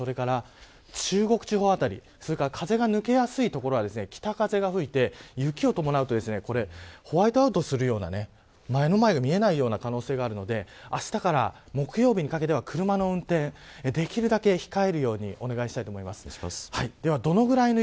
なので、特に九州それから、中国地方辺りそれから風が抜けやすい所は北風が吹いて雪を伴うとホワイトアウトするような目の前が見えないような可能性があるのであしたから木曜日にかけては車の運転できるだけ控えるようにお願いしたいと思います。